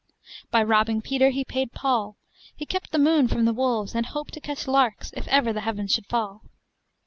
By robbing Peter he paid Paul, he kept the moon from the wolves, and hoped to catch larks if ever the heavens should fall.